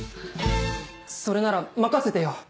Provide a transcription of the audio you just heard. それなら任せてよ。